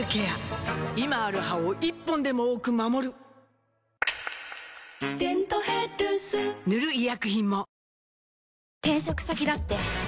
今ある歯を１本でも多く守る「デントヘルス」塗る医薬品も